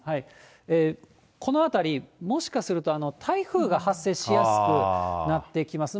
このあたり、もしかすると台風が発生しやすくなってきます。